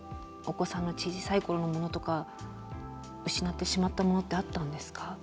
お子さんの小さい頃のものとか失ってしまったものってあったんですか？